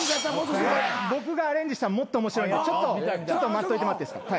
僕がアレンジしたらもっと面白いんでちょっと待っといてもらっていいですか。